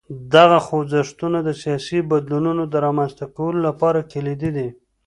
دغه خوځښتونه د سیاسي بدلونونو د رامنځته کولو لپاره کلیدي دي.